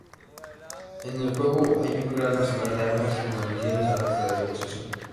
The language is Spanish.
En el juego hay un gran arsenal de armas y municiones a nuestra disposición.